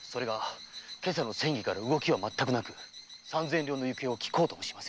今朝の詮議から動きはまったくなく三千両の行方を訊こうともしません。